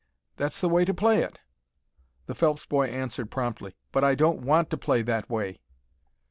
That's the way to play it." The Phelps boy answered, promptly, "But I don't want to play that way."